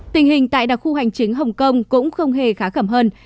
tình hình tại đặc khu hành chính hồng kông cũng không hề khá khẩm hơn